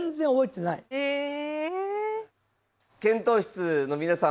検討室の皆さん